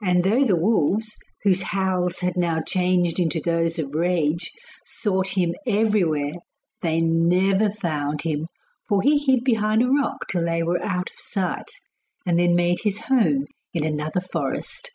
And through the wolves, whose howls had now changed into those of rage, sought him everywhere, they never found him, for he hid behind a rock till they were out of sight, and then made his home in another forest.